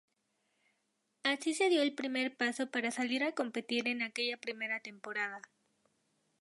Así se dio el primer paso para salir a competir en aquella primera temporada.